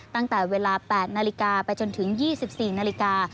ตั้งแต่เวลา๘นาฬิกาไปจนถึง๒๔นาฬิกา